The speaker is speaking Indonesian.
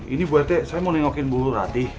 ini bu rt saya mau nengokin bu rati